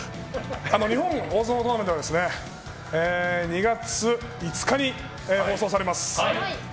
日本大相撲トーナメント２月５日に放送されます。